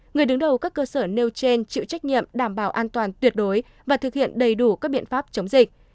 người đứng đầu các cơ sở nêu trên chịu trách nhiệm đảm bảo an toàn tuyệt đối và thực hiện đầy đủ các biện pháp chống dịch